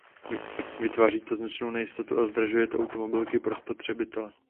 Vytváří to značnou nejistotu a zdražuje to automobily pro spotřebitele.